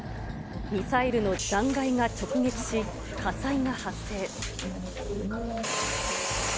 ミサイルの残骸が直撃し、火災が発生。